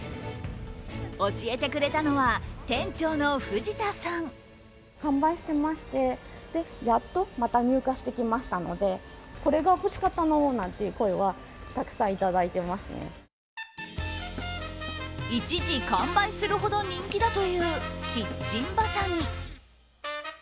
教えてくれたのは、店長の藤田さん一時完売するほど人気だというキッチンバサミ。